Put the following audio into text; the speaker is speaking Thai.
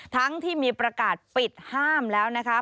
ทั้งที่มีประกาศปิดห้ามแล้วนะคะ